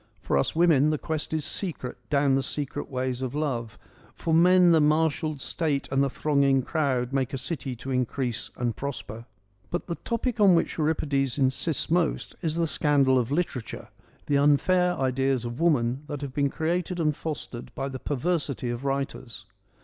For us women the quest is secret down the secret ways of love ; for men the marshalled state and the thronging crowd make a city to increase and prosper.' But the topic on which Euripides insists most is the scandal of literature, the unfair ideas of woman that have been created and fostered by the perversity of writers.